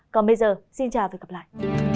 còn bây giờ xin chào và hẹn gặp lại